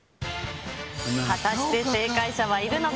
果たして正解者はいるのか。